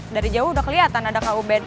dari jauh udah kelihatan ada kub